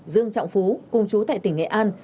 dương trọng phú cùng chú tại tỉnh nghệ an